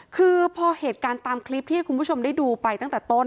คือพอเหตุการณ์ตามคลิปที่ให้คุณผู้ชมได้ดูไปตั้งแต่ต้น